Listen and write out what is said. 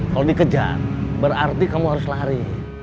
kalau dikejar berarti kamu harus lari